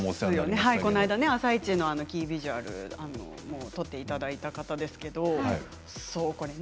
この間「あさイチ」のキービジュアルも撮っていただいた方ですけど。